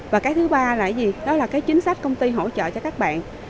và cái thứ ba là gì đó là cái chính sách công ty hỗ trợ cho các bạn